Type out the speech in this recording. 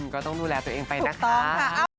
ก็ต้องดูแลตัวเองไปนะคะนะครับถูกต้องค่ะ